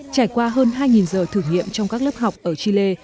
trải qua hơn hai giờ thử nghiệm trong các lớp học ở chile